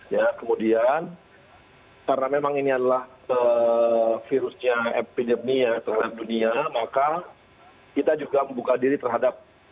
ya kemudian karena memang ini adalah virusnya epidemia terhadap dunia maka kita juga membuka diri terhadap kalangan ini